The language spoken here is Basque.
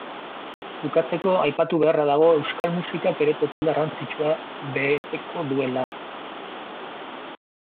Bukatzeko, aipatu beharra dago, euskal musikak ere toki garrantzitsua beteko duela.